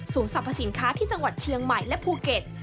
สรรพสินค้าที่จังหวัดเชียงใหม่และภูเก็ต